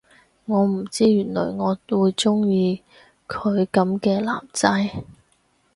我唔知原來我會鍾意佢噉嘅男仔